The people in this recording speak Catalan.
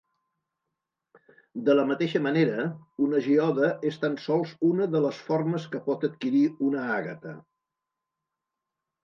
De la mateixa manera, una geoda és tan sols una de les formes que pot adquirir una àgata.